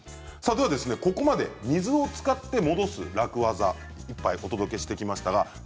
ここまで水を使って戻す楽ワザをお届けしてきました。